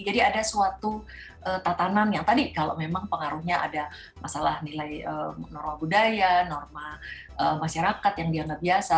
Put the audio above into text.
jadi ada suatu tatanan yang tadi kalau memang pengaruhnya ada masalah nilai norma budaya norma masyarakat yang dianggap biasa